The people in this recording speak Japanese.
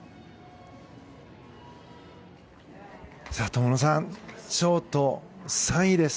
友野さんショート３位です。